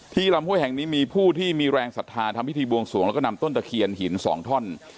ลำห้วยแห่งนี้มีผู้ที่มีแรงศรัทธาทำพิธีบวงสวงแล้วก็นำต้นตะเคียนหิน๒ท่อน